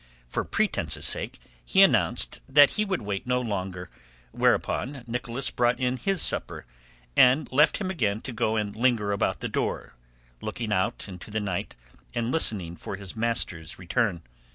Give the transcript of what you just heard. For pretence's sake he announced that he would wait no longer, whereupon Nicholas brought in his supper, and left him again to go and linger about the door, looking out into the night and listening for his master's return.